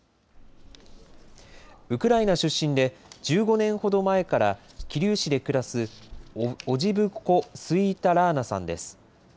ウクライナ出身で、１５年ほど前から桐生市で暮らすオジブコ・スウィータ・ラーナさんです。